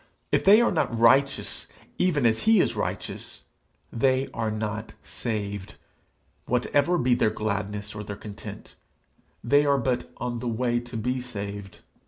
If they are not righteous even as he is righteous, they are not saved, whatever be their gladness or their content; they are but on the way to be saved.